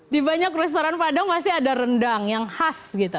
di banyak restoran padang pasti ada rendang yang khas